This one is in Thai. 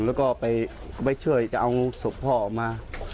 แล้วก็ไปช่วยจะเอาศพพ่อออกมา